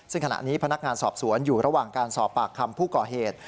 ซึ่งขณะนี้พนักงานสอบสวนอยู่ระหว่างการสอบปากคำผู้ก่อเหตุ